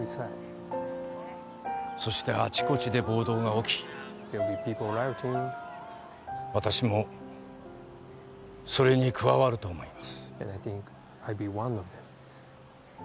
そしてあちこちで暴動が起き私もそれに加わると思います